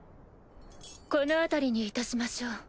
このあたりにいたしましょう。